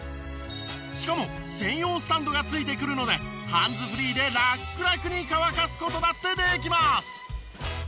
しかも専用スタンドがついてくるのでハンズフリーでラックラクに乾かす事だってできます。